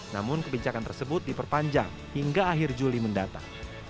namun kebijakan tersebut diperpanjang hingga akhir juli mendatang